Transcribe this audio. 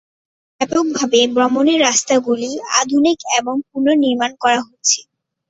ব্যাপকভাবে ভ্রমণের রাস্তাগুলি আধুনিক এবং পুনর্নির্মাণ করা হচ্ছে।